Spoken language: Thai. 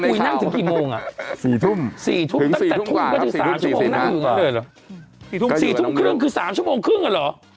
ฮ่านั่งถึงกี่โมง๔ทุ่มนั่งถึง๔ทุ่มกว่า๓ชั่วโมง๕เครื่องคือ๓ชั่วโมงครึ่งเหรอ